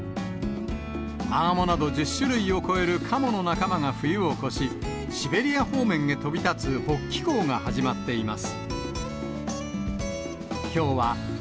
マガモなど１０種類を超えるカモの仲間が冬を越し、シベリア方面へ飛び立つ、北帰行が始まっています。